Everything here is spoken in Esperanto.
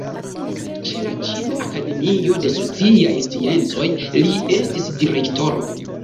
Ĉe la Ĉina Akademio de Sociaj Sciencoj li estis direktoro.